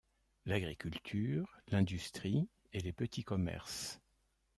L'agriculture, l'industrie et les petits commerces.